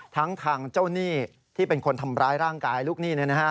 ทั้งทางเจ้าหนี้ที่เป็นคนทำร้ายร่างกายลูกหนี้